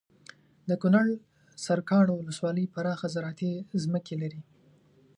دکنړ سرکاڼو ولسوالي پراخه زراعتي ځمکې لري